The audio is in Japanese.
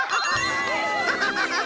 ハハハハッ！